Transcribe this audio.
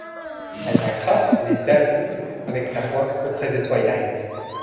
Elle vaincra les Dazzlings avec sa voix auprès de Twilight.